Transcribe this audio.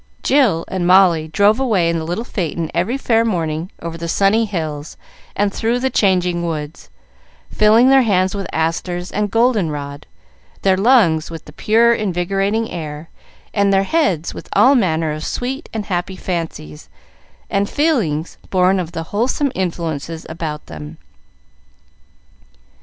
Jill and Molly drove away in the little phaeton every fair morning over the sunny hills and through the changing woods, filling their hands with asters and golden rod, their lungs with the pure, invigorating air, and their heads with all manner of sweet and happy fancies and feelings born of the wholesome influences about them.